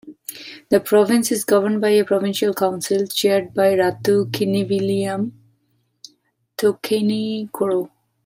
The province is governed by a Provincial Council, chaired by Ratu Kiniviliame Taukeinikoro.